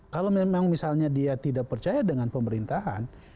kalau memang misalnya dia tidak percaya dengan pemerintahan